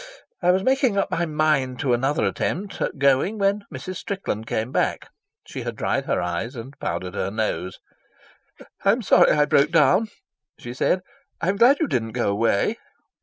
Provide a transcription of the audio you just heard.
I was making up my mind to another attempt at going when Mrs. Strickland came back. She had dried her eyes and powdered her nose. "I'm sorry I broke down," she said. "I'm glad you didn't go away."